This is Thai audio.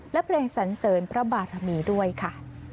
และเพลงสันเสริญพระบารมีด้วยค่ะ